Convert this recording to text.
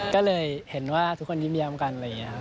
ก็เลยเห็นว่าทุกคนยิ้มเยี่ยมกัน